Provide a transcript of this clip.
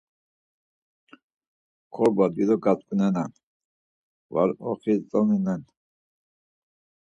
Korba dido gatzǩunen var oxitzoninen.